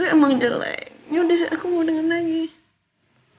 emang jelek yaudah aku mau denger lagi